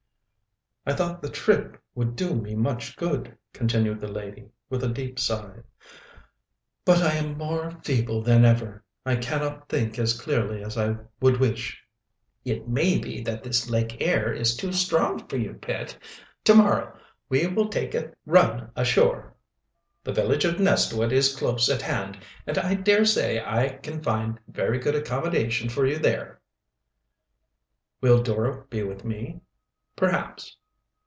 "I thought the trip would do me much good," continued the lady, with a deep sigh. "But I am more feeble than ever, and I cannot think as clearly as I would wish." "It may be that this lake air is too strong for you, Pet. To morrow we will take a run ashore. The village of Nestwood is close at hand, and I dare say I can find very good accommodations for you there." "Will Dora be with me?" "Perhaps."